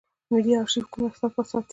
ملي آرشیف کوم اسناد ساتي؟